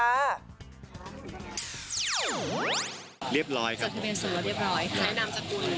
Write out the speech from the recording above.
เรียบร้อยครับค่ะใช้นามจักรคุณ